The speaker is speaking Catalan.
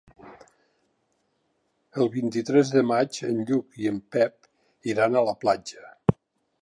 El vint-i-tres de maig en Lluc i en Pep iran a la platja.